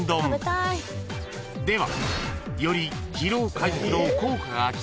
では］